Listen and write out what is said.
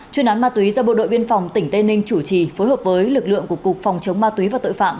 chuyên án ma túy do bộ đội biên phòng tỉnh tây ninh chủ trì phối hợp với lực lượng của cục phòng chống ma túy và tội phạm